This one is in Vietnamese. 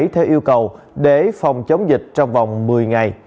theo yêu cầu để phòng chống dịch trong vòng một mươi ngày